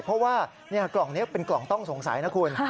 เพราะว่ากล่องนี้เป็นกล่องต้องสงสัยนะคุณ